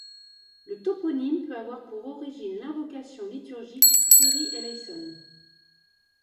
Le toponyme peut avoir pour origine l'invocation liturgique kyrie eleison.